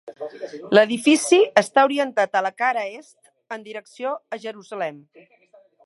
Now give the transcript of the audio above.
L'edifici està orientat a la cara est, en direcció a Jerusalem.